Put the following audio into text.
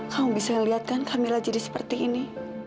kamu bisa melihatkan kamila jadi seperti ini